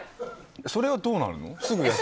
それはどうなるの？